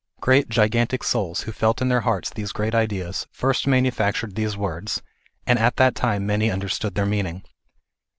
Great gigantic souls, who felt in their hearts these great ideas, first manufactured these words, and at that time many understood their meaning.